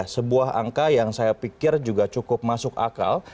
sebuah angka yang saya pikir juga cukup masuk akal